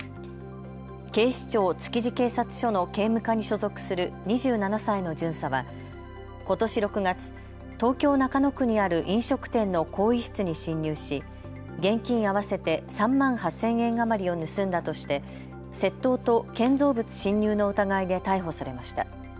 警視庁築地警察署の警務課に所属する２７歳の巡査はことし６月、東京中野区にある飲食店の更衣室に侵入し現金合わせて３万８０００円余りを盗んだとして窃盗と建造物侵入の疑いで逮捕されました。